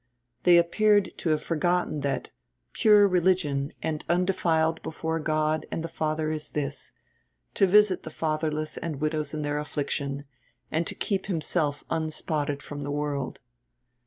They appeared to have forgotten that "Pure religion and undefiled before God and the Father is this, to visit the fatherless and widows in their affliction, and to keep himself unspotted from the world."